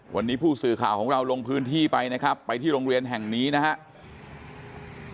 วันนี้ผู้สื่อข่าวของเราลงพื้นที่ไปนะครับไปที่โรงเรียนแห่งนี้นะครับ